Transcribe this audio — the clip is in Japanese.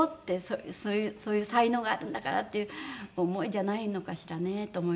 そういう才能があるんだからっていう思いじゃないのかしらねと思いますね。